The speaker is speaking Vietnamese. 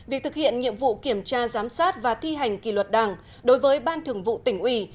việc thực hiện nhiệm vụ kiểm tra giám sát và thi hành kỷ luật đảng đối với ban thường vụ tỉnh ủy